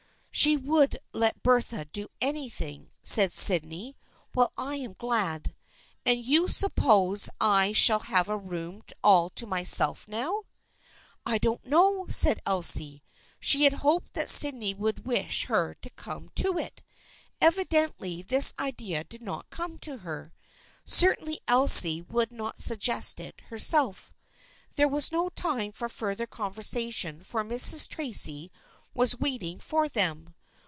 " She would let Bertha do anything," said Syd ney. " Well, I am glad. And do you suppose I shall have a room all to myself now ?"" I don't know," said Elsie. She had hoped that Sydney would wish her to come to it. Evi dently this idea did not occur to her. Certainly Elsie would not suggest it herself. There was no time for further conversation for Mrs. Tracy was waiting for them.